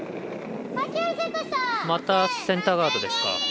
またセンターガードですか。